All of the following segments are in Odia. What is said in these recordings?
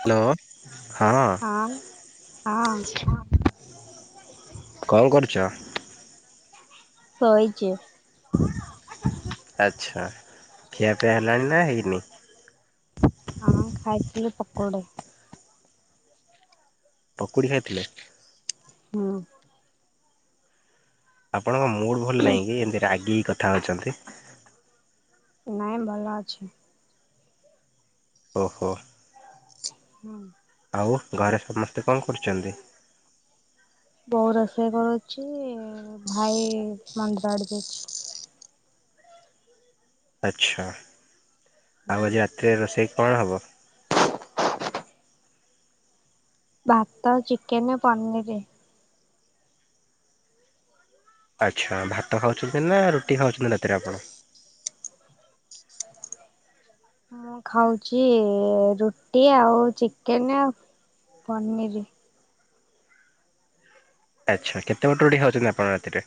ହ୍ୟାଲୋ ହଁ। ହଁ କଣ କରୁଚ। ଶୋଇଚି। ଆଛା ଖିଆପିଆ ହେଲାଣି ନା ହେଇନି। ହଁଖାଇଥିଲି ପକୋଡ଼େ। ପକୁଡି ଖାଇଥିଲେ। ହୁଁ। ଆପଣଙ୍କ ମୁଡ୍ ଭଲ ନାହିଁ କି ଏନ୍ତି ରାଗିକି କଥା ହଉଛନ୍ତି। ନାଇଁ ଭଲ ଅଛି। ଓହୋ। ହୁଁ। ଆଉ ଘରେ ସମସ୍ତେ କଁ କରୁଚନ୍ତି? ବୋଉ ରୋଷେଇ କରୁଛି ଭାଇ ମନ୍ଦିର ଆଡେ ଯାଇଛି। ଆଚ୍ଛା ହୁଁ। ଆଉ ଆଜି ରାତିରେ ରୋଷେଇ କଣ ହବ? ଭାତ ଚିକେନେ ପନିରି। ଆଚ୍ଛା ଭାତ ଖାଉଛନ୍ତି ନା ରୁଟି ଖାଉଛନ୍ତି ରାତିରେ ଆପଣ। ମୁଁ ଖାଉଚି ରୁଟି ଆଉ ଚିକେନେ‌ ପନିରି। ଆଚ୍ଛା କେତେ ପଟ ରୁଟି ଖାଉଛନ୍ତି ଆପଣ ରାତିରେ?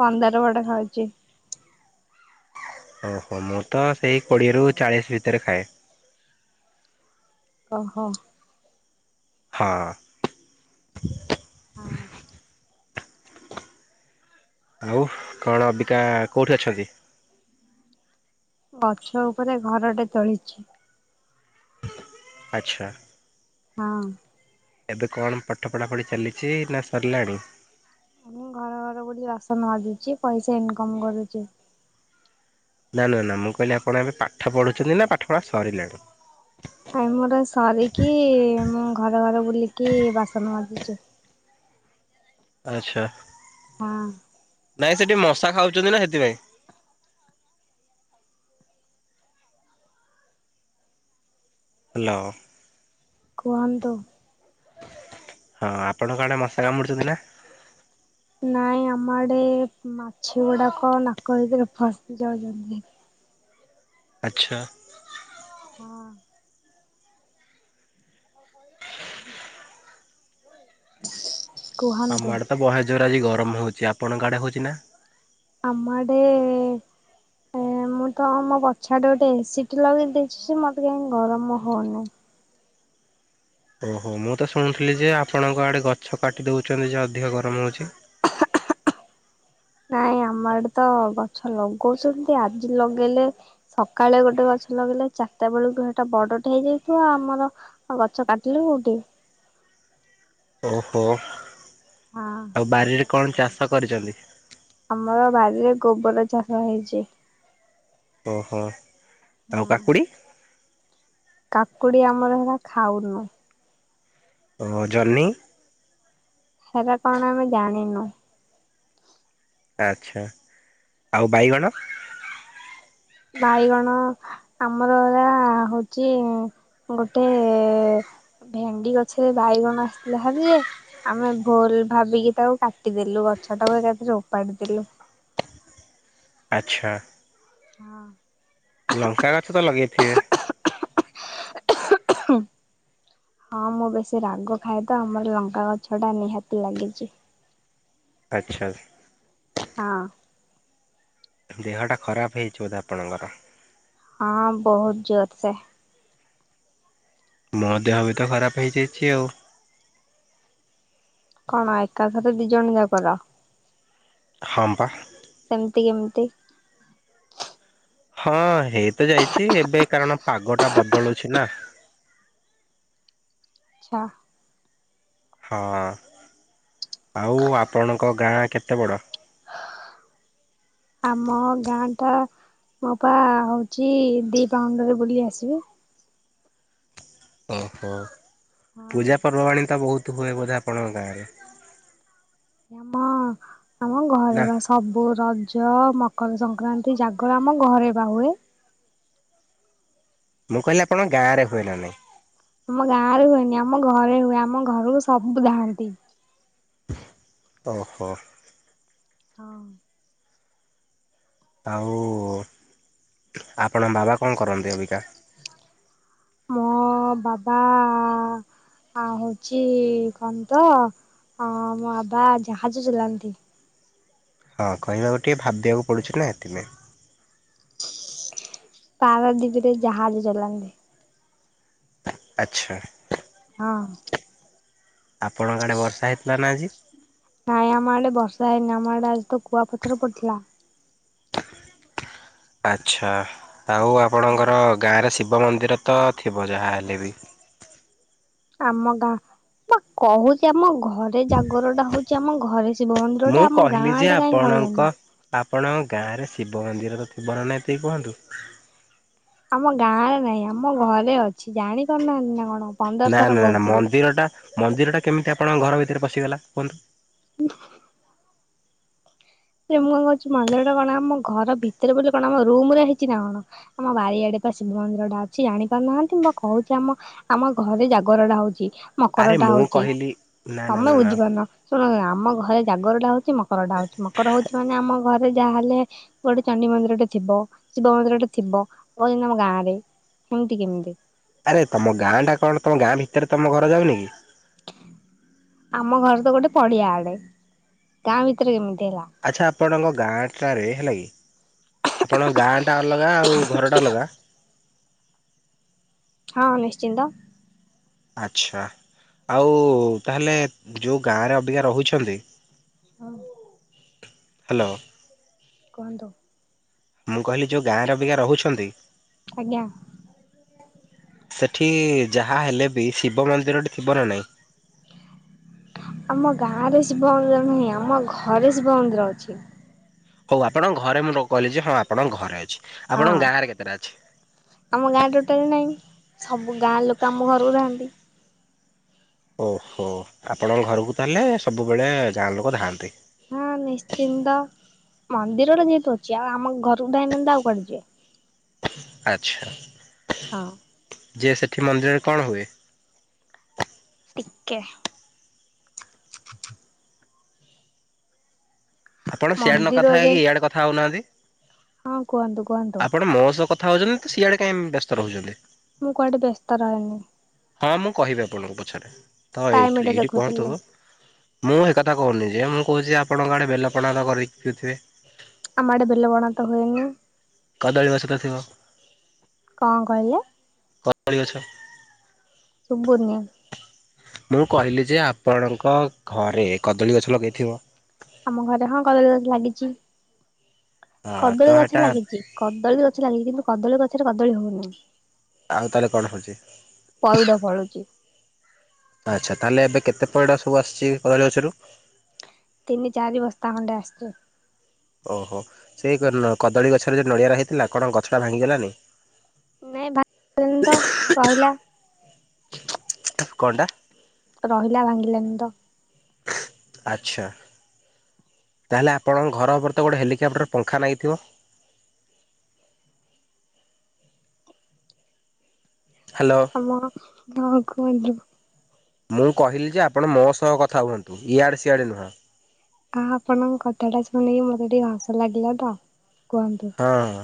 ପନ୍ଦର ପଟ ଖାଉଚି। ଓହୋ ମୁଁ ତ ସେଇ କୋଡିଏରୁୁ ଚାଳିଶ ଭିତେରେ ଖାଏ। ଓହୋ। ହଁ। ହଉ। ଆଉ କଣ ଅବିକା କୋଉଠି ଅଛ କି? ଗଛ ଉପରେ ଘରଟେ ତୋଳିଛି। ଆଚ୍ଛା। ହଁ। ଏବେ କଣ ପାଠ ପଢା ପଢି ଚାଲିଛି ନା ସରିଲାଣି? ମୁଁ ଘର ଘର ବୁଲି ବାସନ ମାଜୁଚି ପଇସା ଇନକମ୍ କରୁଚି। ନା ନା ନା ମୁଁ କହିଲି ଆପଣ ଏବେ ପାଠ ପଢୁଛନ୍ତି ନା ପାଠ ପଢା ସରିଲାଣି? ଆମର ସାରିକି ମୁଁ ଘର ଘର ବୁଲିକି ବାସନ ମାଜୁଚି। ଆଚ୍ଛା। ହଁ। ନାଇଁ ସେଠି ମଶା ଖାଉଚନ୍ତି ନା ହେତିପାଇଁ। ହାଲୋ। କୁହନ୍ତୁ। ହଁ ଆପଣଙ୍କ‌ ଆଡେ ମଶା କାମୁଡୁଚନ୍ତି ନା? ନାଇଁ ଆମ ଆଡେ ମାଛିଗୁଡାକ ନାକ ଭିତେରେ ଫସି ଯାଉଚନ୍ତି। ଆଚ୍ଛା। ହଁ। [inaudible] [inaudible] ଆମ କୁହନ୍ତୁ ଆଡେ ତ ବହେ ଜୋର୍ ଆଜି ଗରମ ହଉଚି ଆପଣଙ୍କ ଆଡେ ହଉଚି ନା? ଆମ ଆଡେ ଏ ମୁଁ ତ ଆ ମୋ ପଛ ଆଡେ ଗୋଟେ ଏସିଟେ ଲଗେଇ ଦେଇଛି ଯେ ମତେ କାହିଁ ଗରମ ହଉ ନାହିଁ। ଓହୋ ମୁଁ ତ ଶୁଣୁଥିଲି ଯେ ଆପଣଙ୍କ ଆଡେ ଗଛ କାଟି ଦଉଚନ୍ତି ଯେ ଅଧିକ ଗରମ ହଉଚି। ନାଇଁ ଆମ ଆଡେ ତ ଗଛ ଲଗଉଛନ୍ତି ଆଜି ଲଗେଇଲେ ସକାଳେ ଗୋଟେ ଗଛ ଲଗେଇଲେ ଚାରଟାବେଳୁକୁ ହେଟା ବଡଟେ ହେଇଯାଇଥିବ ଆମର ଆଉ ଗଛ କାଟିଲେ କୋଉଠି? ଓହୋ ହଁ। ଆଉ ବାରିରେ କଣ ଚାଷ କରିଚନ୍ତି? ଆମର ବାରିରେ ଗୋବର ଚାଷ ହେଇଚି। ଓହୋ ଆଉ ହଁ। କାକୁଡ଼ି? କାକୁଡି ଆମର ହେରା ଖାଉନୁ। ଓହ ଜହ୍ନି? ହେରା କଣ ଆମେ ଜାଣିନୁ। ଆଚ୍ଛା ଆଉ ବାଇଗଣ? ବାଇଗଣ ଆମର ଏରା ହଉଚି ଗୋଟେ ଭେଣ୍ଡି ଗଛରେ ବାଇଗଣ ଆସିଥିଲା ଭାରି ଯେ ଆମେ ଭୁଲ୍ ଭାବିକି ତାକୁ କାଟିଦେଲୁ ଗଛ ଟାକୁ ଏକାଥରେ ଓପାଡି ଦେଲୁ। ଆଚ୍ଛା। ହଁ। ଲଙ୍କା ଗଛ ତ ଲଗେଇଥିବେ? [unintelligible] ହଁ ମୁଁ ବେଶୀ ରାଗ ଖାଏ ତ ଆମର ଲଙ୍କା ଗଛ ଟା ନିହାତି ଲାଗିଚି। ଆଚ୍ଛା। ହଁ। ଦେହଟା ଖରାପ୍ ହେଇଚି ବୋଧେ ଆପଣଙ୍କର। ହଁ ବହୁତ୍ ଜୋର୍ ସେ। ମୋ ଦେହ ବି ତ ଖରାପ୍ ହେଇଯାଇଚି ଆଉ। କଣ୍ ଏକାଥରେ ଦି ଜଣ ଯାକର। ହଁ ପା। ସେମିତି କେମିତି? ହଁ ହେଇତ ଯାଇଚି ଏବେ କାରଣ ପାଗଟା ବଦଳୁଚି ନା। ଆଚ୍ଛା। ହଁ ଆଉ ଆପଣଙ୍କ ଗାଁ କେତେ ବଡ଼? ଆମ ଗାଁଟା ମୁଁ ପା ହଉଛି ଦି ପାହୁଣ୍ଡରେ ବୁଲି ଆସିବି। ଓହୋ ପୂଜା ହଁ ପର୍ବ ପବାଣୀ ଟା ବହୁତ ହୁଏ ବୋଧେ ଆପଣଙ୍କ ଗାଁରେ? ହଁ ଆମ ଘରେ ନା ବା ସ ସବୁ ରଜ ମକର ସଂକ୍ରାନ୍ତି ଜାଗର ଆମ ଘରେ ବା ହୁଏ। ମୁଁ କହିଲି ଆପଣଙ୍କ ଗାଁରେ ହୁଏ ନା ନାହିଁ? ଆମ ଗାଁ ରେ ହୁଏନି ଆମ ଘରେ ହୁଏ ଆମ ଘରକୁ ସବୁ ଧାଆଁନ୍ତି। ଓହୋ। ହଁ। ଆଉ ଆପଣଙ୍କ ବାବା କଣ କରନ୍ତି ଅବିକା? ମୋ ବାବା ଆଉ ହଉଛି କଣ ତ ଅ ମୋ ବାବା ଜାହାଜ ଚଲାନ୍ତି। ହଁ କହିବାକୁ ଟିକେ ଭାବିବାକୁ ପଡ଼ୁଛି ନା ଏଥିପାଇଁ। ପାରାଦୀପରେ ଜାହାଜ ଚଲାନ୍ତି। ଆଚ୍ଛା। ହଁ। ଆପଣଙ୍କ ଆଡ଼େ ବର୍ଷା ହେଇଥିଲା ନା ଆଜି? ନାଇଁ ଆମ ଆଡେ ବର୍ଷା ହେଇନି ଆମ ଆଡେ ଆଜି ତ କୁଆପଥର ପଡିଥିଲା। ଆଚ୍ଛା ଆଉ ଆପଣଙ୍କର ଗାଁରେ ଶିବ ମନ୍ଦିର ତ ଥିବ ଯାହା ହେଲେ ବି। ଆମ ଗାଁ ବା କହୁଛି ଆମ ଘରେ ଜାଗର ଟା ହଉଛି ଆମ ଘରେ। ସେ ମୁଁ ମନ୍ଦିରଟା ଆମ କହିଲି ଗାଁ ଯେ ଆଡ଼େ କାଇଁ ଆପଣଙ୍କ କଲେନୀ? ଆପଣଙ୍କ ଗାଁରେ ଶିବ ମନ୍ଦିରର ଥିବ ନା ନାଇଁ ଏତିିକି କୁହନ୍ତୁ? ଆମ ଗାଁରେ ନାହିଁ ଆମ ଘରେ ଅଛି ଜାଣିପାରୁନାହାନ୍ତି ନା କଣ? ପନ୍ଦର ନା ଥର ନା ନା କହୁଥିବି। ମନ୍ଦିର ଟା ମନ୍ଦିର ଟା କେମିତି ଆପଣଙ୍କ ଘର ଭିତରେ ପଶିଗଲା କୁହନ୍ତୁ? [unintelligible] [unintelligible] ମୁଁ କଣ କହୁଛି ମନ୍ଦିର ଟା କଣ ଆମ ଘର ଭିତରେ ବୋଲି କଣ ଆମ ରୁମ୍ ରେ ହେଇଛି ନା କଣ? ଆମ ବାରିଆଡ଼େ ପା ଶିବ ମନ୍ଦିର ଟା ଅଛି ଆଣି ପାରୁନାହାନ୍ତି ମୁଁ ବା କହୁଛି ଆମ ଆମ ଘରେ ଜାଗର ଟା ହଉଛି ମକର ଆରେ ଟା ମୁଁ ହଉଛି କହିଲି ନା ନା ତମେ ନା ନା ବୁଝିପାରୁନ। ଶୁଣ ଶୁଣ ଆମ ଘରେ ଜାଗରଟା ହଉଛି ମକରଟା ହଉଛି ମକର ହଉଛି ମାନେ ଆମ ଘରେ ଯାହେଲେ କୋଉଠି ଚଣ୍ଡି ମନ୍ଦିରଟେ ଥିବ ଶିବ ମନ୍ଦିରଟେ ଥିବ କହୁଅନ୍ତି ଆମ ଗାଁ ରେ ସେମିତି କେମିତି? ଆରେ ତମ ଗାଁଟା କଣ ତମ ଗାଁ ଭିତରେ ତମ ଘର ଯାଉନି କି? ଆମ ଘର ତ ଗୋଟେ ପଡ଼ିଆ ଆଡ଼େ ଗାଁ ଭିତେରେ କେମିତି ହେଲା? ଆଚ୍ଛା ଆପଣଙ୍କ ଗାଁଟାରେ ହେଲା କି? ଆପଣ ଗାଁ ଟା ଅଲଗା ଆଉ ଘର ଟା ଅଲଗା? ହଁ ନିଶ୍ଚିନ୍ତ। ଆଚ୍ଛା ଆଉ ତାହେଲେ ଯଉ ଗାଁରେ ଅବିକା ରହୁଛନ୍ତି। ହଁ। ହାଲୋ କୁହନ୍ତୁ? ମୁଁ କହିଲି ଯୋଉ ଗାଁ ର ଅବିକା ରହୁଛନ୍ତି ଆଜ୍ଞା। ସେଠି ଯାହା ହେଲେ ବି ଶିବ ମନ୍ଦିରଟେ ଥିବ ନା ନାହିଁ? ଆମ ଗାଁ ରେ ଶିବ ମନ୍ଦିର ନାହିଁ ଆମ ଘରେ ଶିବ ମନ୍ଦିର ଅଛି। ହଉ ଆପଣଙ୍କ ଘରେ ମୁଁ ର କହିଲି ଯେ ହଁ ଆପଣଙ୍କ ଘରେ ଅଛି ହଁ ଆପଣଙ୍କ ଗାଁ ରେ କେତେଟା ଅଛି? ଆମ ଗାଁ ଟୋଟାଲ୍ ନାହିଁ ସବୁ ଗାଁ ଲୋକ ଆମ ଘରକୁ ଧାଆନ୍ତି। ଓହୋ ଆପଣଙ୍କ ଘରକୁ ତାହେଲେ ସବୁବେଳେ ଗାଁ ଲୋକ ଧାଆନ୍ତି? ହଁ ନିଶ୍ଚିନ୍ଦ ମନ୍ଦିରଟା ଯେହେତୁ ଅଛି ଆଉ ଆମ ଘରକୁ [unintelligible] ଆଉ କୁଆଡ଼େ ଯିବେ? ଆଚ୍ଛା। ହଁ। ଯେ ସେଠି ମନ୍ଦିରରେ କଣ ହୁଏ? ଟିକେ ଆପଣ ସିଆଡ଼େ ନ କଥା ମନ୍ଦିରରେ ହେଇକି ଇଆଡ଼େ କଥା ହଉନାହାନ୍ତି ହଁ କୁହନ୍ତୁ କୁହନ୍ତୁ ଆପଣ ମୋ ସହ କ ଥା ହଉଛନ୍ତି ତ ସିଆଡ଼େ କାଇଁ ବ୍ୟସ୍ତ ରହୁଛନ୍ତି? ମୁଁ କୁଆଡ଼େ ବ୍ୟସ୍ତ ରହେନି। ହଁ ମୁଁ କହିବି ଆପଣଙ୍କୁ ପଛରେ ତ ଟାଇମ ଏଇଠ ଏଟା ଏଇଠି କୁହନ୍ତୁ? ଦେଖୁଥିଲି ମୁଁ ହେ କଥା କହୁନି ଯେ ମୁଁ କହୁଛି ଆପଣଙ୍କ ଆଡ଼େ ବେଲପଣା ତ କରିକି ପିଉଥିବେ? ଆମ ଆଡ଼େ ବେଲ ପଣା ତ ହୁଏନି? କଦଳୀ ଗଛ ତ ଥିବ? କଣ କହିଲେ? କ ଳୀ ଗଛ। ସୁବୁନି ମୁଁ କହିଲି ଯେ ଆପଣଙ୍କ ଘରେ କଦଳୀ ଗଛ ଲଗେଇଥିବ? ଆମ ଘରେ ହଁ କଦଳୀ ଗଛ ଲାଗିଛି ହଁ ତ କଦଳୀ ହେଟା ଗଛ ଲାଗିଚି। କଦଳୀ ଗଛ ଲାଗିଚି କିନ୍ତୁ କଦଳୀ ଗଛରେ କଦଳୀ ହଉନାହିଁ। ଆଉ ତାହାଲେ କଣ ହଉଚି? ପଇଡ ଫଳୁଛି [unintelligible] ଆଚ୍ଛା ତାହେଲେ ଏବେ କେତେ ପଇଡ଼ ସବୁ ଆସିଚି [unintelligible] ଗଛ ରୁ? ତିନି ଚାରି ବସ୍ତା ଖଣ୍ଡେ ଆସିଛି। ଓହୋ ସେଇ କାରଣ, କଦଳୀ ଗଛରେ ଯଦି ନଡ଼ିଆ ରହିଥିଲା କଣ ଗଛଟା ଭାଙ୍ଗିଗଲାନି? ନାଇଁ ଭାଙ୍ଗିନୀ ତ କହିଲା କଣ ଟା? ରହିଲା ଭାଙ୍ଗିଲାନି ତ। ଆଚ୍ଛା। ତାହେଲେ ଆପଣଙ୍କ ଘର ଉପରେ ତ ଗୋଟେ ହେଲିକପ୍ଟର ପଙ୍ଖା ଲାଗିଥିବ? ହ୍ୟାଲୋ। [unintelligible] ମୁଁ କହିଲି ଯେ, ଆପଣ ମୋ ସହ କଥା ହୁଅନ୍ତୁ, ଇଆଡ଼େ ସିଆଡ଼େ ନୁହଁ। ଆ ଆପଣଙ୍କ କଥା ଟା ଶୁଣିକି ମତେ ଟିକେ ହସ ଲାଗିଲା ତ, କୁହନ୍ତୁ। ହଁ ହ,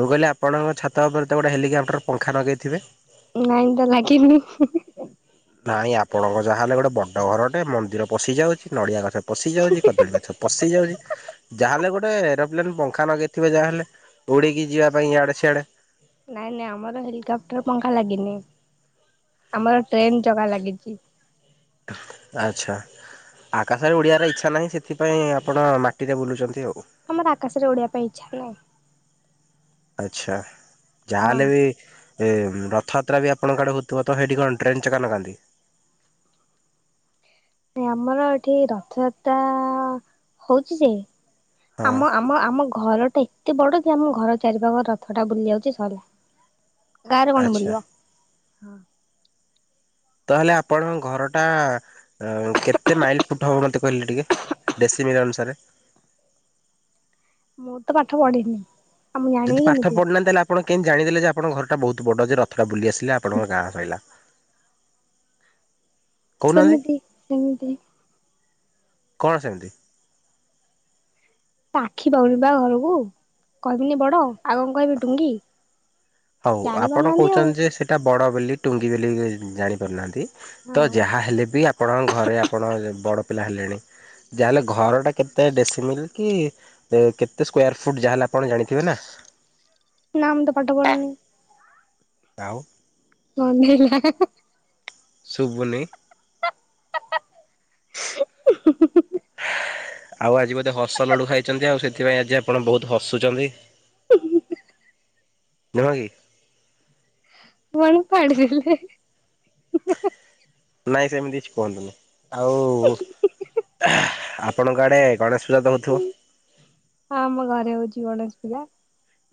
ମୁଁ କହିଲି ଆପଣଙ୍କ ଛାତ ଉପରେ ତ ଗୋଟଏ ହେଲିକପ୍ଟର ପଙ୍ଖା ଲଗାଇଥିବେ। ଲାଇନ ଟା ଲାଗିନି। ନାଇଁ ଆପଣଙ୍କ ଯାହାହେଲେ ଗୋଟେ ବଡ ଘରଟେ ମନ୍ଦିର ପଶି ଯାଉଛି ନଡ଼ିଆ ଗଛ ପଶି ଯାଉଛି, କଦଳୀ ଗଛ ପଶି ଯାଉଛି, ଯାହାହେଲେ ଗୋଟେ ହେଲେ ପଙ୍ଖା ନଗାଇଥିବ ଯାହା ହେଲେ, ଉଡ଼ିକି ଯିବା ପାଇଁ ଆଡ଼େ ସିଆଡ଼େ ନାଇଁ ନାଇଁ ଆମର ହେଲିକପ୍ଟର ପଙ୍ଖା ଲାଗିନି, ଆମର ଟ୍ରେନ ଚକା ଲାଗିଛି। ଆଚ୍ଛା। ଆକାଶରେ ଓଡ଼ିଆର ଇଚ୍ଛା ନାହିଁ, ସେଥିପାଇଁ ଆପଣ ମାଟିରେ ବୁଲୁଛନ୍ତି ଆଉ। ଆମର ଆକାଶରେ ଉଡ଼ିଆ ପାଇଁ ଇଚ୍ଛା ନାହିଁ। ଆଚ୍ଛା ଯାହାଲେ ବି ହଁ ଏ ରଥଯାତ୍ରା ବି ଆପଣଙ୍କ ଆଡେ ହଉଥିବ ତ ସେଇଠି କଣ ଟ୍ରେନ ଚକା ଲଗାନ୍ତି? ନ ଆମର ଏଠି ରଥଯାତ୍ରା ହଉଛି ଯେ ହଁ ଆମ ଆମ ଆମ ଘର ଟା ଏତେ ବଡ ଯେ, ଆମ ଘର ଚାରିପାଖ ରଥ ଟା ବୁଲି ଯାଉଛି ସରିଲା। ଗାଁରେ କଣ ଆଚ୍ଛା ବୁଲିବ? ହଁ ତାହେଲେ ଆପଣଙ୍କ ଘର ଟା କେତେ ମାଇଲ ଫୁଟ ହବ ମତେ କହିଲେ ଟିକେ? ଡେସିମିଲ ଅନୁସାରେ। ମୁଁ ତ ପାଠ ପଢିନି। ଆଉ ମୁଁ ଜାଣିବି ଯଦି ପାଠଢି କେମିତି ନାହାନ୍ତି, ତାହେଲେ ଆପଣ କେନ୍ତି ଜାଣିଲେ ଯେ, ଆପଣ ଘର ଟା ବହୁତ ବଡ଼ ଯେ ରଥଟା ବୁଲିଆସିଲା। ହେଲେ ଆପଣଙ୍କର ନା ପାଇଲା। ସେମିତି ସେମିତି। କଣ ସେମିତି? ତ ଆଖି ପାଉନି ବା ଘରକୁ କହିବିନି ବଡ ଆଉ କଣ କହିବି ଟୁଙ୍ଗି। ହଉ ଜାଣି ଆପଣ ପାରୁନାହାନ୍ତି ଆଉ କହୁଛନ୍ତି ଯେ, ସେଇଟା ବଡ ବୋଲି ଟୁଙ୍ଗି ବୋଲି ଜାଣିପାରୁନାହାନ୍ତି। ହଁ ତ ଯାହା ହେଲେ ବି, ଆପଣଙ୍କ ଘରେ ଆପଣ ବଡ ପିଲା ହେଲେଣି। ଯାହାହେଲେ ଘରଟା କେତେ ଡେଶୀ ମିଲ୍ କି ତ କେତେ ସ୍କୋୟାର୍ ଫୁଟ୍ ଯାହେଲେ ଆପଣ ଜାଣିଥିବେ ନା? ନା ମୁ ତ ତ ପାଠ ପଢନି। ଆଉ। ଗନ୍ଧେଇଲା। ଶୁବୁନି? [unintelligible] ଆଉ ଆଜି ବୋଧେ ହସ ଲଡୁ ଖାଇଛନ୍ତି, ଆଉ ସେଥିପାଇଁ ଆଜି ଆପଣ ବହୁତ ହସୁଛନ୍ତି। ହଁ ନୁହଁ କି? ୱାନ ପାଡ଼ି ଦେଲେ। ନାଇଁ ସେମିତି କିଛି କୁହନି ଆଉ। ଆପଣଙ୍କ ଆଡ଼େ ଗଣେଶ ପୂଜା ତ ହଉଥିବ। ହଁ ଆମ ଘରେ ହଉଚି ଗଣେଶ ପିଲା।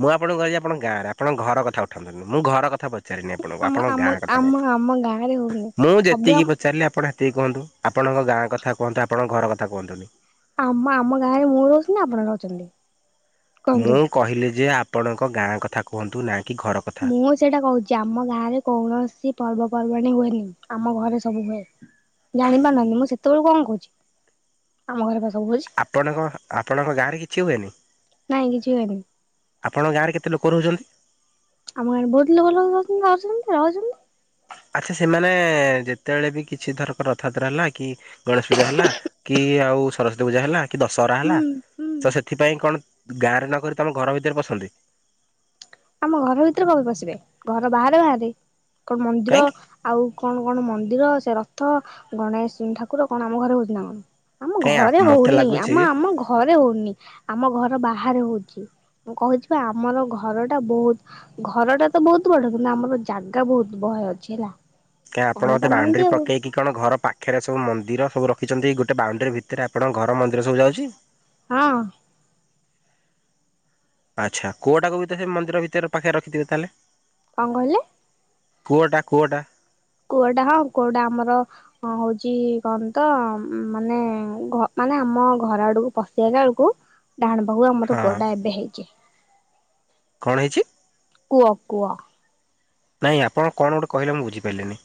ମୁଁ ଆପଣଙ୍କୁ କିହିଜି ଆପଣ ଗାଁରେ ଆପଣ ଘର କଥା ଉଠାନ୍ତୁ ନି ମୁଁ ଘର କଥା ପ ଚାରିନି ଆପଣଙ୍କୁ ଆମ ଆପଣଙ୍କ ଆମ ଗାଁ କଥା ଆମ ଆମ ଗାଁରେ ହଉନି। କୁହନ୍ତୁ ମୁଁ ସବୁ ଯେତିକି ଆମ ପଚାରିଲି ଆପଣ ହେ ତିକି କହନ୍ତୁ ଆପଣଙ୍କ ଗାଁ କଥା କୁହନ୍ତୁ ଆପଣଙ୍କ ଘର କଥା କୁହନ୍ତୁନି। ଆମ ଆମ ଗାଁରେ ମୁଁ ରହୁଛି ନା ଆପଣ ରହୁଛନ୍ତି। କୁହନ୍ତୁ। ମୁଁ କହିଲି ଯେ ଆପଣଙ୍କ ଗାଁ କଥା କୁହନ୍ତୁ ନା କି ଘର କଥା। ମୁଁ ସେଇଟା କହୁଛି ଆମ ଗାଁରେ କୌଣସି ପର୍ବପର୍ବାଣୀ ହୁଏନି ଆମ ଘରେ ସବୁ ହୁଏ। ଜାଣି ପାରୁନାକି ମୁଁ ସେତେବେଳୁ କଣ କହୁଛି ଆମ ଘରେ ପା ସବୁ ହଉଛି। ଆପଣଙ୍କ ଆପଣଙ୍କ ଗାଁରେ କିଛି ହୁଏନି। ନାଇଁ କିଛି ହୁଏନି। ଆପଣଙ୍କ ଗାଁରେ କେତେ ଲୋକ ରହୁଛନ୍ତି? ଆମ ଗାଁରେ ବହୁତ ଲୋକ ଲୋକ [unintelligible] ରହୁଛନ୍ତି। ଆଚ୍ଛା ସେମାନେ ଯେତେବେଳେ ବି କିଛି ଧରକ ରଥଯାତ୍ରା ହେଲା କି ଗଣେଶ ପୂଜା ହେଲା। କି ଆଉ ସରସ୍ଵତୀ ପୂଜା ହେଲା। କି ଦଶହରା ହୁଁ ହେଲା ହୁଁ ତ ସେଥିପାଇଁ କଣ ଗାଁରେ ନକରି ତମ ଘର ଭିତରେ ପସନ୍ତି? ଆମ ଘର ଭିତରେ କଣ ପଶିବେ ଘର ବାହାରେ ବାହାରେ କଣ ମନ୍ଦିର। କାହିଁକି ଆଉ କଣ କଣ ମନ୍ଦିର ସେ ରଥ ଗଣେଶ ଠାକୁର କଣ ଆମ ଘରେ ହଉଛି ନା କଣ। ଆମ କାହିଁ ଘରେ ମତେ ହଉନି ଲାଗୁଛି ଆମ ଆମ ଘ ଘରେ ହଉନି ଆମ ଘର ବାହାରେ ହଉଚି ମୁଁ କହୁଚିବା ଆମର ଘର ଟା ବହୁତ ଘରଟା ତ ବହୁତ ବଡ କିନ୍ତୁ ଆମର ଜାଗା ବହୁତ ବହେ ଅଛି ହେଲା। କିଆଁ ଆପଣ ଗୋଟେ ଜାଣିପାରୁନାହାନ୍ତି ବାଉଣ୍ଡରୀ ଆଉ ପକେଇକି। କଣ ଘର ପାଖେରେ ସବୁ ମନ୍ଦିର ସବୁ ରଖିଛନ୍ତି ଗୋଟେ ବାଉଣ୍ଡରୀ ଭିତରେ ଆପଣଙ୍କ ଘର ମନ୍ଦିର ସବୁ ଯାଉଚି। ହଁ। ଆଚ୍ଛା କୋଅ ଟାକୁ ବି ତ ସେ ମନ୍ଦିର ଭିତରେ ପାଖରେ ରଖିଥିବେ ତାହେଲେ। କଣ କହିଲେ? କୂଅଟା କୂଅଟା। କୁଅଟା ହଁ କୂଅଟା ଆମର। ହଁ ହଉଛି କଣ ତ ମାନେ ମାନେ ଆମ ଘର ଆଡକୁ ପ ସେଇଁଲା ବେଳକୁ ଡାହାଣ ପାଖକୁ ହଁ ଆମର କୂଅଟା ଏବେ ହେଇଛି। କଣ ହେଇଛି? କୁଅ କୁଅ। ନାଇଁ ଆପଣ କଣ ଗୋଟେ କହିଲେ ମୁଁ ବୁଝିପାରିଲିନି।